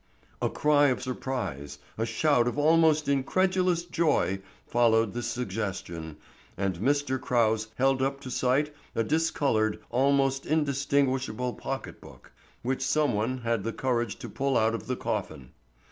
A cry of surprise, a shout of almost incredulous joy, followed this suggestion, and Mr. Crouse held up to sight a discolored, almost indistinguishable pocketbook, which some one had the courage to pull out of the coffin.